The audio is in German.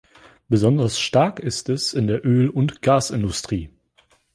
Besonders stark ist es in der Öl- und Gasindustrie.